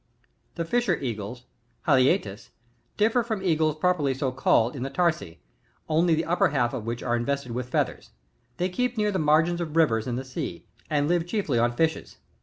4t>. The Fisher Eagles, — HalicetuSf — differ from eagles pro perly so called in the tarsi, only the upper half of which are invested with feathers ; they keep near the margins of rivers, and the sea, and live chiefly on fishes.